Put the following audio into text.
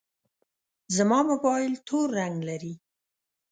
زما موبایل تور رنګ لري.